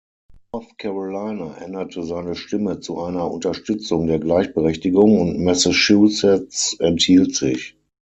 North Carolina änderte seine Stimme zu einer Unterstützung der Gleichberechtigung und Massachusetts enthielt sich.